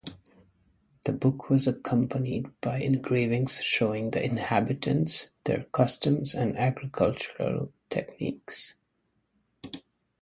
The book was accompanied by engravings showing the inhabitants, their customs and agricultural techniques.